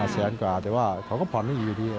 แสนกว่าแต่ว่าเขาก็ผ่อนให้อยู่ดี